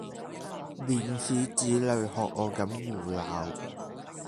免使子女學我咁胡鬧